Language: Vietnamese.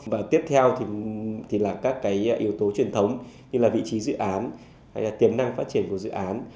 và tiếp theo thì là các cái yếu tố truyền thống như là vị trí dự án hay là tiềm năng phát triển của dự án